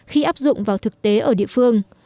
khi áp dụng vào thực tế ở địa phương